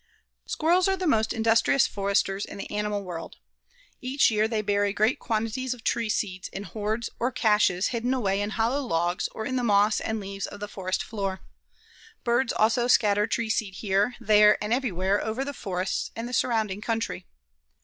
Squirrels are the most industrious foresters in the animal world. Each year they bury great quantities of tree seeds in hoards or caches hidden away in hollow logs or in the moss and leaves of the forest floor. Birds also scatter tree seed here, there, and everywhere over the forests and the surrounding country.